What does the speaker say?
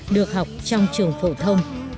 được học trong trường phổ thông